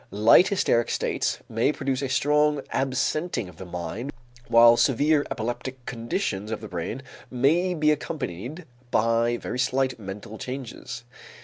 Light hysteric states may produce a strong absenting of the mind while severe epileptic conditions of the brain may be accompanied by very slight mental changes.